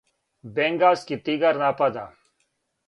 Бенгалски тигар напада!